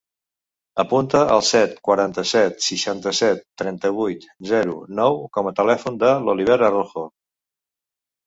Apunta el set, quaranta-set, seixanta-set, trenta-vuit, zero, nou com a telèfon de l'Oliver Arrojo.